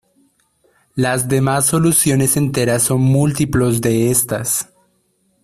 Las demás soluciones enteras son múltiplos de estas.